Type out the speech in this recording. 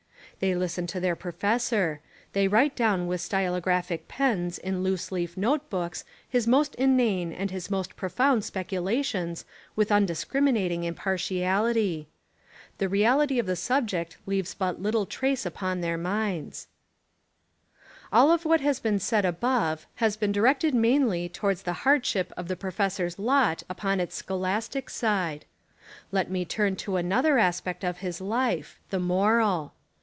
They listen to their professor. They write down with stylographic pens in loose leaf note books his most inane and his most profound speculations with an un discriminating impartiality. The reality of the 28 The Apology of a Professor subject leaves but little trace upon their minds. AH of what has been said above has been directed mainly towards the hardship of the professor's lot upon its scholastic side. Let me turn to another aspect of his life, the moral.